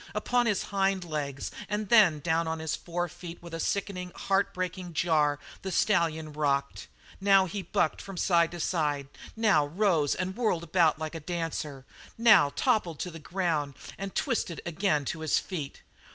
Upon his hind legs and then down on his forefeet with a sickening heartbreaking jar the stallion rocked; now he bucked from side to side; now rose and whirled about like a dancer; now toppled to the ground and twisted again to his feet.